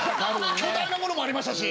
巨大なものもありましたし。